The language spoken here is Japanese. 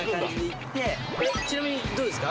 ちなみにどうですか？